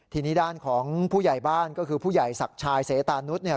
ทีนี้ด้านของผู้ใหญ่บ้านก็คือผู้ใหญ่ศักดิ์ชายเสตานุษย์